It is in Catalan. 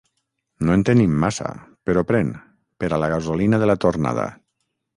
No en tenim massa, però pren, per a la gasolina de la tornada...